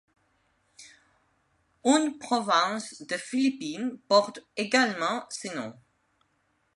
Une province des Philippines porte également ce nom.